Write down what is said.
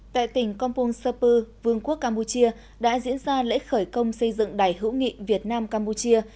tại tỉnh kompong sapu vương quốc campuchia đã diễn ra lễ khởi công xây dựng đài hữu nghị việt nam campuchia